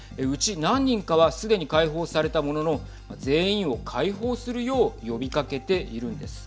何人かはすでに解放されたものの全員を解放するよう呼びかけているんです。